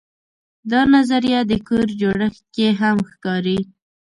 دا نظریه د کور جوړښت کې هم ښکاري.